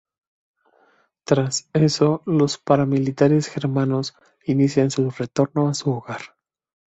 Tras eso los paramilitares germanos inician su retorno a su hogar.